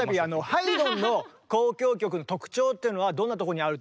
ハイドンの交響曲の特徴っていうのはどんなところにあるとお思いですか？